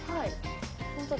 本当だ。